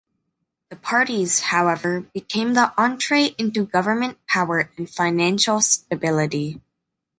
The parties, however, became the entree into government power and financial stability.